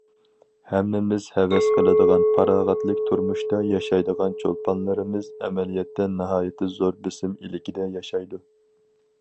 ھەممىمىز ھەۋەس قىلىدىغان پاراغەتلىك تۇرمۇشتا ياشايدىغان چولپانلىرىمىز ئەمەلىيەتتە ناھايىتى زور بېسىم ئىلكىدە ياشايدۇ.